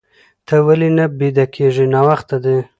ته ولې نه بيده کيږې؟ ناوخته دي.